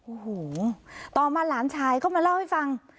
โอ้โหต่อมาหลานชายก็มาเล่าให้ฟัง